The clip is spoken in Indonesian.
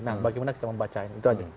nah bagaimana kita membaca itu aja